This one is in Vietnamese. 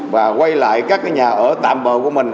và quay lại các cái nhà ở tạm bờ của mình